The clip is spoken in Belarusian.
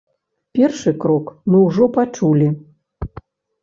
Першы крок мы ўжо пачулі.